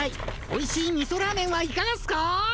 おいしいみそラーメンはいかがっすか？